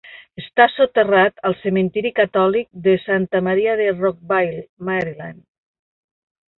Està soterrat al cementiri catòlic de Santa Maria a Rockville, Maryland.